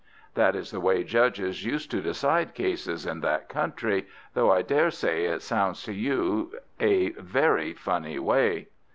That is the way judges used to decide cases in that country, though I daresay it sounds to you a very funny way.